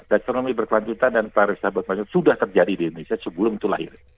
ekonomi berkelanjutan dan pariwisata sudah terjadi di indonesia sebelum itu lahir